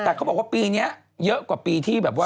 แต่เขาบอกว่าปีนี้เยอะกว่าปีที่แบบว่า